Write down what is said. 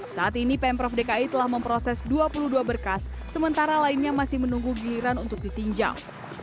saat ini pemprov dki telah memproses dua puluh dua berkas sementara lainnya masih menunggu giliran untuk ditinjau